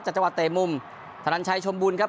จังหวัดเตะมุมธนันชัยชมบุญครับ